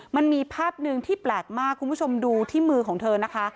มันมีภาพหนึ่งที่แปลกมากคุณผู้ชมดูที่มือของเธอนะคะ